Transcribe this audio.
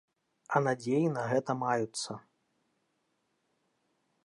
А надзеі на гэта маюцца.